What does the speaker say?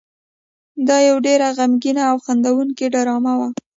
دا یو ډېره غمګینه او خندوونکې ډرامه وه.